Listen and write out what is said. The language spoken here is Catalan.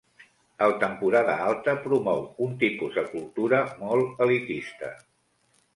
El Temporada Alta promou un tipus de cultura molt elitista.